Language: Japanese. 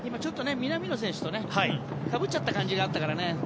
今、南野選手とかぶっちゃった感じがあったからね。